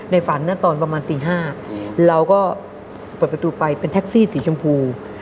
ฝันนะตอนประมาณตี๕เราก็เปิดประตูไปเป็นแท็กซี่สีชมพู